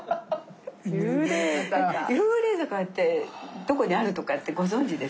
幽霊坂ってどこにあるとかってご存じですか？